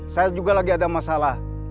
saya juga lagi ada masalah